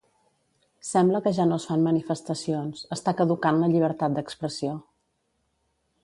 Sembla que ja no es fan manifestacions, està caducant la llibertat d'expressió.